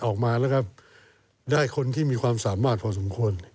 ออกมาแล้วก็ได้คนที่มีความสามารถพอสมควร